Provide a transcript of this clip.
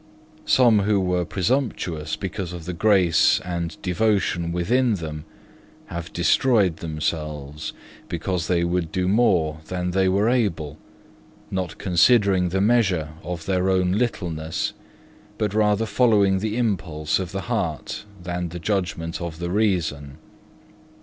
Some who were presumptuous because of the grace of devotion within them, have destroyed themselves, because they would do more than they were able, not considering the measure of their own littleness, but rather following the impulse of the heart than the judgment of the reason.